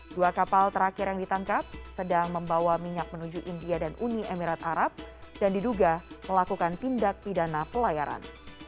dua kapal terakhir yang ditangkap sedang membawa minyak menuju india dan uni emirat arab dan diduga melakukan tindak pidana pelayaran